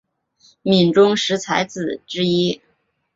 闽中十才子之一。